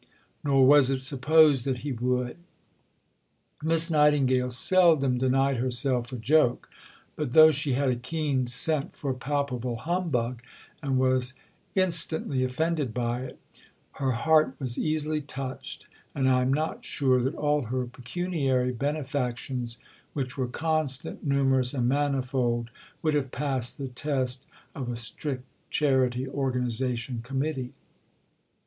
Nor was it supposed that he would. Miss Nightingale seldom denied herself a joke; but though she had a keen scent for palpable humbug, and was instantly offended by it, her heart was easily touched, and I am not sure that all her pecuniary benefactions, which were constant, numerous, and manifold, would have passed the test of a strict Charity Organization Committee.